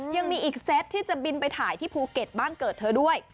ยังมีอีกเซตที่จะบินไปถ่ายที่ภูเก็ตบ้านเกิดเธอด้วย